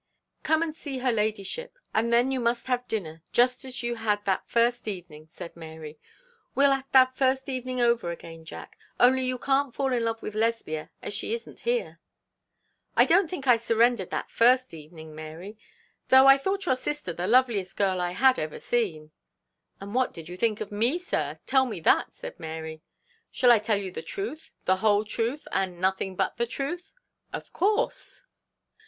'Come and see her ladyship; and then you must have dinner, just as you had that first evening,' said Mary. 'We'll act that first evening over again, Jack; only you can't fall in love with Lesbia, as she isn't here.' 'I don't think I surrendered that first evening, Mary. Though I thought your sister the loveliest girl I had ever seen.' 'And what did you think of me, sir? Tell me that,' said Mary. 'Shall I tell you the truth, the whole truth, and nothing but the truth?' 'Of course.'